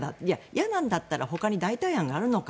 嫌なんだったらほかに代替案があるのか。